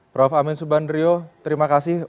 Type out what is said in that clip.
prof amin subandrio terima kasih